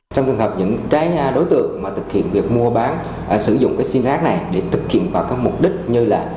trong trường hợp những cái đối tượng mà thực hiện việc mua bán sử dụng cái sim rác này để thực hiện vào các mục đích như là